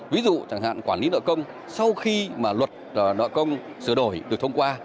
ví dụ chẳng hạn quản lý nợ công sau khi mà luật nợ công sửa đổi được thông qua